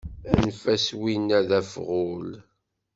Anef-as win-a d afɣul